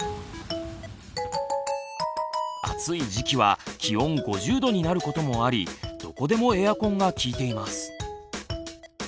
暑い時期は気温５０℃になることもありどこでもエアコンが効いています。